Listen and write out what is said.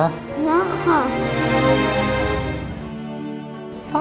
นะครับ